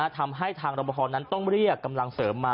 ทำให้ทางรับประพอนั้นต้องเรียกกำลังเสริมมา